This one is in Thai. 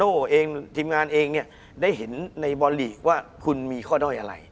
คุณผู้ชมบางท่าอาจจะไม่เข้าใจที่พิเตียร์สาร